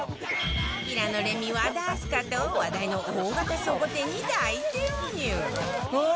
平野レミ和田明日香と話題の大型倉庫店に大潜入